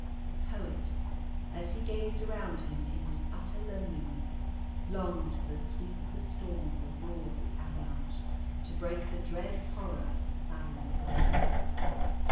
The Poet, as he gazed around him, in his utter loneliness, longed for the sweep of the storm or the roar of the avalanche to break the dread horror of the silent gloom.